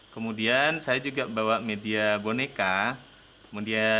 kemudian saya juga bawa media boneka